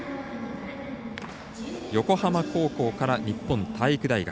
横浜高校から日本体育大学。